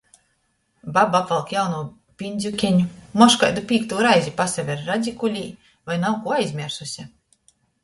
Baba apvalk jaunū bindzukeņu, moš kaidu pīktū reizi pasaver radzikulē, voi nav kū aizmiersuse.